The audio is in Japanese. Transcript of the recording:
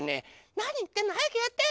なにいってんのはやくやって！